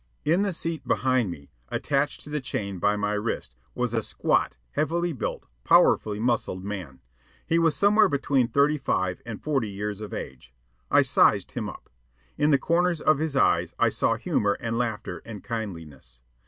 In the seat behind me, attached to the chain by his wrist, was a squat, heavily built, powerfully muscled man. He was somewhere between thirty five and forty years of age. I sized him up. In the corners of his eyes I saw humor and laughter and kindliness.